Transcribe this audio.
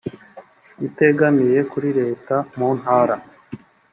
itegamiye kuri leta mu ntara